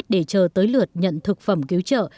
để chờ tới lượt nhận thực phẩm cứu trợ